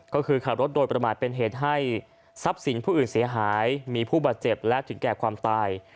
ก็คือขับรถโดยประมาทเป็นเหตุให้ทรัพย์สินผู้อื่นเสียหายมีผู้บาดเจ็บและถึงแก่ความตาย